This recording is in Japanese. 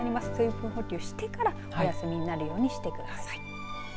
水分補給をしてからお休みになるようにしてください。